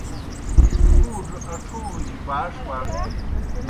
مُوڙوْ اڇُھوݨوْ جیْ باݜ باݜ بِینوْ۔